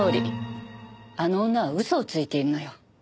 あの女は嘘をついているのよ。